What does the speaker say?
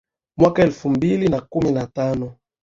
mwaka elfu mbili na kumi na tano